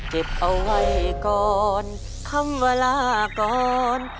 เก็บเอาไว้ก่อนคำว่าลาก่อน